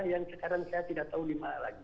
yang sekarang saya tidak tahu di mana lagi